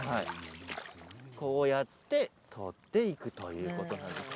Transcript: こうやって取っていくということなんです。